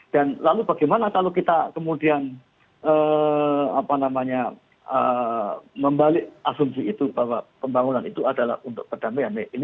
dan lalu bagaimana kalau kita kemudian membalik asumsi itu bahwa pembangunan itu adalah untuk perdamaian